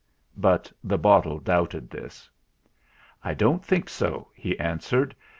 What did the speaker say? But the bottle doubted this. "I don't think so," he answered.